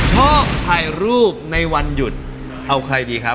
ชอบถ่ายรูปในวันหยุดเอาใครดีครับ